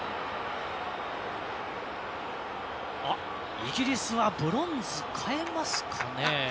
イギリスはブロンズ代えますかね。